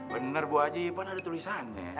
bener bu aji kan ada tulisannya